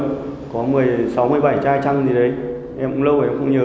không được có một mươi sáu một mươi bảy chai chăng gì đấy em cũng lâu rồi em không nhớ